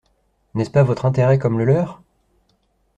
N’est-ce pas votre intérêt comme le leur ?